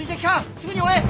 すぐに追え。